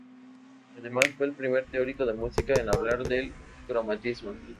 Además, fue el primer teórico de música en hablar del cromatismo.